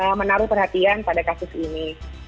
dan saya juga menaruh perhatian pada kasus ini